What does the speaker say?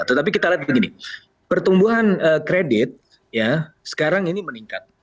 tetapi kita lihat begini pertumbuhan kredit ya sekarang ini meningkat